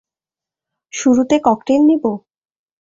শুরুতে ককটেইল নিবো?